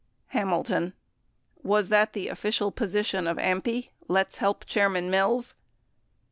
69 Hamilton. Was that the official position of AMPI, "Let's help Chairman Mills"?